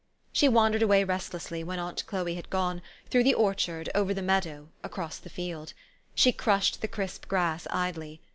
She wandered away restlessly, when aunt Chloe had gone, through the orchard, over the meadow, across the field. She crushed the crisp grass idly.